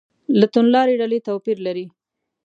له توندلارې ډلې توپیر لري.